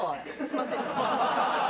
すいません。